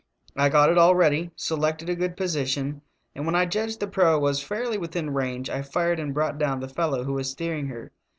I got it all ready, selected a good position, and when I judged the proa was fairly within range I fired and brought down the fellow who was steering her.